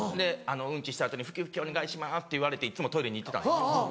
うんちした後に「拭き拭きお願いします」って言われていつもトイレに行ってたんですよ。